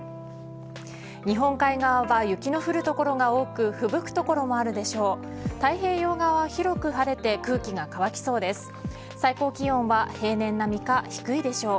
日本海側は雪の降る所が多くふぶく所もあるでしょう。